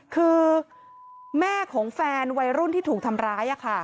คือแม่ของแฟนวัยรุ่นที่ถูกทำร้าย